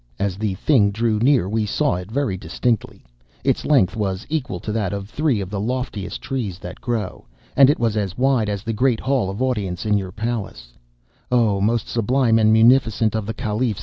"'As the thing drew near we saw it very distinctly. Its length was equal to that of three of the loftiest trees that grow, and it was as wide as the great hall of audience in your palace, O most sublime and munificent of the Caliphs.